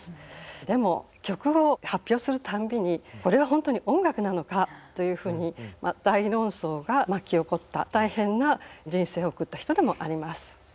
でも曲を発表するたんびにこれは本当に音楽なのかというふうに大論争が巻き起こった大変な人生を送った人でもあります。